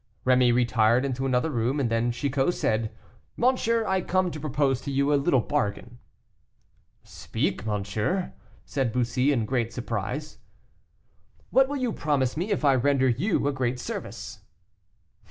Rémy retired into another room, and then Chicot said, "Monsieur, I come to propose to you a little bargain." "Speak, monsieur," said Bussy, in great surprise. "What will you promise me if I render you a great service?"